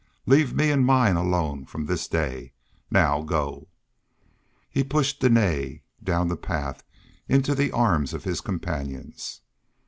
Leave me and mine alone from this day. Now go!" He pushed Dene down the path into the arms of his companions.